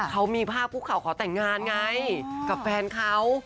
เขามีภาพคุกเขาขอแต่งงานไงกับแฟนเขา